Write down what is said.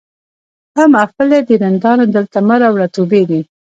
دا محفل دی د رندانو دلته مه راوړه توبې دي